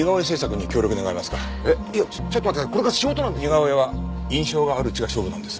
似顔絵は印象があるうちが勝負なんです。